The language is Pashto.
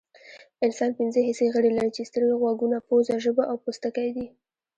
انسان پنځه حسي غړي لري چې سترګې غوږونه پوزه ژبه او پوستکی دي